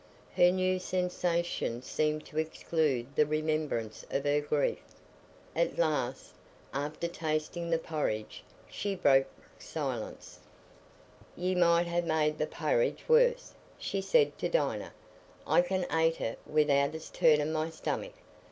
Her new sensations seemed to exclude the remembrance of her grief. At last, after tasting the porridge, she broke silence: "Ye might ha' made the parridge worse," she said to Dinah; "I can ate it wi'out its turnin' my stomach.